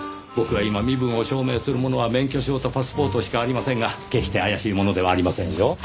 僕は今身分を証明するものは免許証とパスポートしかありませんが決して怪しい者ではありませんよ。